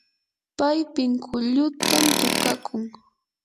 pay pinkullutam tukakun.